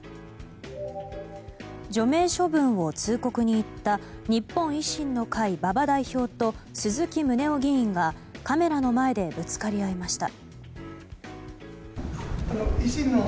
除名処分を通告に行った日本維新の会、馬場代表と鈴木宗男議員がカメラの前でぶつかり合いました。